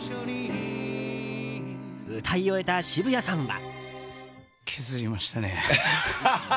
歌い終えた渋谷さんは。